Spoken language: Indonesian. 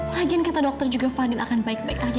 lagian kata dokter juga vanil akan baik baik aja